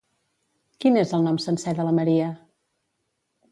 Quin és el nom sencer de la Maria?